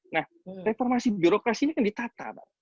nah reformasi birokrasi ini kan ditata pak